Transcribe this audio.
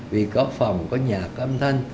vì có phòng có nhà có âm thanh